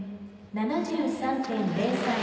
７３．０３。